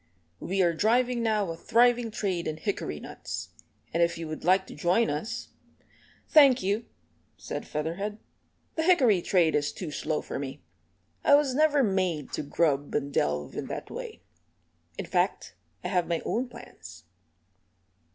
"We are driving now a thriving trade in hickory nuts, and if you would like to join us " "Thank you," said Featherhead, "the hickory trade is too slow for me. I was never made to grub and delve in that way. In fact I have my own plans."